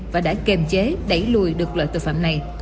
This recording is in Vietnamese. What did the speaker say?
và đã kiềm chế đẩy lùi được loại tội phạm này